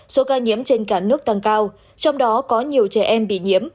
số ca nhiễm trên cả nước tăng cao trong đó có nhiều trẻ em bị nhiễm